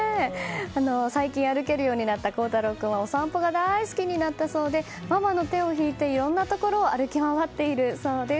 最近、歩けるようになった鋼太朗君はお散歩が大好きになったそうでママの手を引いていろんなところを歩き回っているそうです。